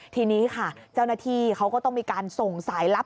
ทีนี้ค่ะเจ้าหน้าที่เขาก็ต้องมีการส่งสายลับ